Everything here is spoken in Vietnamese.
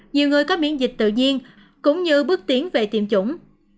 nhiều người có miễn dịch tự nhiên cũng như bước tiến về tiêm chủng